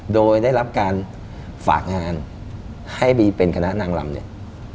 โดยได้รับการฝากงานให้บีเป็นคณะนางลำเนี่ย